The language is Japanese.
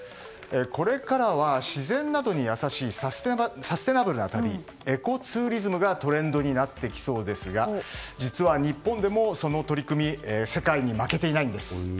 これからは、自然などに優しいサステナブルな旅エコツーリズムがトレンドになってきそうですが実は、日本でもその取り組み世界に負けていないんです。